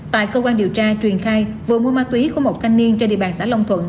tại cơ quan điều tra truyền khai vừa mua ma túy của một thanh niên trên địa bàn xã long thuận